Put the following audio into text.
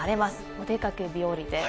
お出かけ日和です。